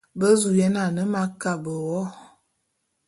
Be zu yen ane m'akabe wo.